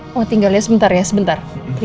mama tinggalin sebentar ya sebentar